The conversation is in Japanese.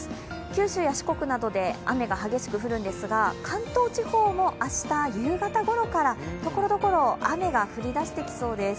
九州や四国などで雨が激しく降るんですが関東地方も明日、夕方ごろからところどころ、雨が降りだしてきそうです。